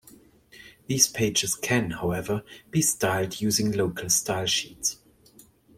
These pages can, however, be styled using local stylesheets.